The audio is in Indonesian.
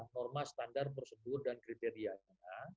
norma standar prosedur dan kriterianya